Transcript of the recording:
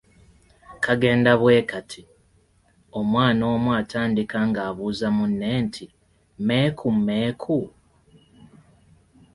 Kagenda bwe kati; omwana omu atandika ng’abuuza munne nti, Mmeeku, mmeeku?